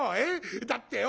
だってよ